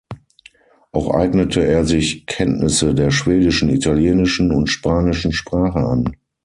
Auch eignete er sich Kenntnisse der schwedischen, italienischen und spanischen Sprache an.